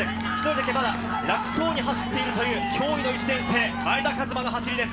１人だけ楽そうに走っているという驚異の１年生・前田和摩の走りです。